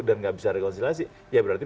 dan nggak bisa rekonsiliasi ya berarti